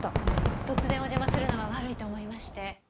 突然お邪魔するのは悪いと思いまして。